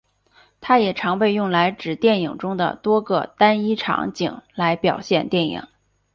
它也常被用来指电影中的多个单一场景来表现电影。